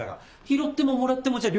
拾ってももらってもじゃ